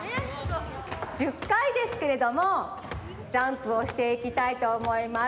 １０かいですけれどもジャンプをしていきたいとおもいます。